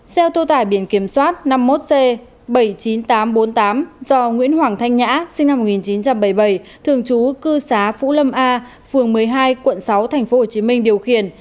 xe ô tô tải biển kiểm soát năm mươi một c bảy mươi chín nghìn tám trăm bốn mươi tám do nguyễn hoàng thanh nhã sinh năm một nghìn chín trăm bảy mươi bảy thường trú cư xá phú lâm a phường một mươi hai quận sáu tp hcm điều khiển